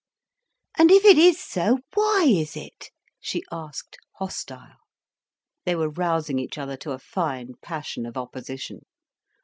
"And if it is so, why is it?" she asked, hostile. They were rousing each other to a fine passion of opposition.